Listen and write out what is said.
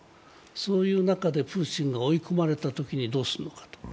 そういう中でプーチンが追い込まれたときにどうするのかと。